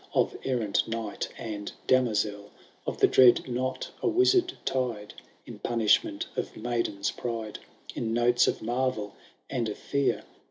Of errant knight, and damozelle ; Of the dread knot a Wizard tied. In punishment of maiden's pride, In notes of marvel and of fear.